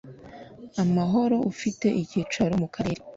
amahoro ufite icyicaro mu karere